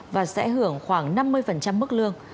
và sẽ hưởng khoảng năm mươi mức lương